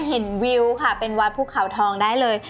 วิวค่ะเป็นวัดภูเขาทองได้เลย